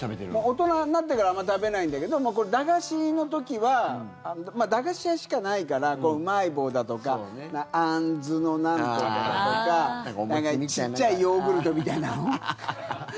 大人になってからあまり食べないんだけどこれ、駄菓子の時は駄菓子屋しかないからうまい棒だとかあんずのなんとかとかちっちゃいヨーグルトみたいなの。